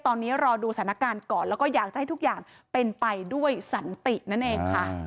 ตอนนี้รอดูสถานการณ์ก่อนแล้วก็อยากจะให้ทุกอย่างเป็นไปด้วยสันตินั่นเองค่ะ